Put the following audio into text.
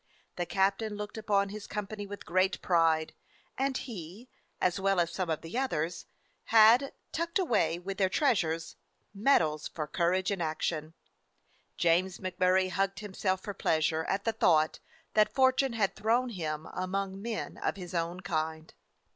The captain looked upon his com pany with great pride, and he, as well as some of the others, had, tucked away with their treasures, medals for courage in action. James MacMurray hugged himself for pleas ure at the thought that fortune had thrown him among men of his own kind.